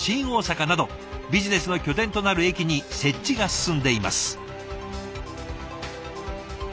大阪などビジネスの拠点となる駅に設置が進んでいます。